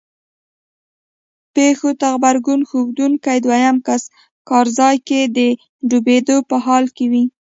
پېښو ته غبرګون ښودونکی دویم کس کار ځای کې د ډوبېدو په حال وي.